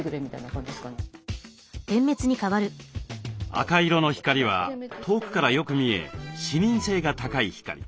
赤色の光は遠くからよく見え視認性が高い光。